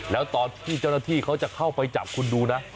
แล้วตอนที่เจ้าหน้าที่เขาจะเข้าไปจับคุณดูนะ